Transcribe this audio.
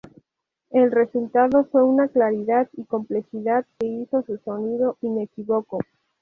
El resultado fue una claridad y complejidad que hizo su sonido inequívoco.